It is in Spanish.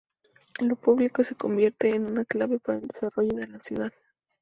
Lo público se convierte en una clave para el desarrollo de la ciudad.